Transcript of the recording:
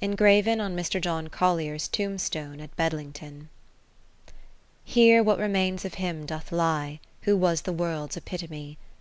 Engraven on Mr. John Collier's Tomb stone at Becllington Here what remains of him doth lie. Who was the World's epitome.